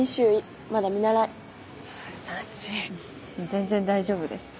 全然大丈夫です。